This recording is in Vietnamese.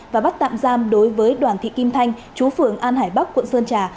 và bắt tạm giam đối với đoàn thị kim thanh chú phường an hải bắc quận sơn trà